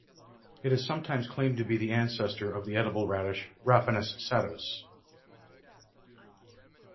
It is sometimes claimed to be the ancestor of the edible radish, "Raphanus sativus".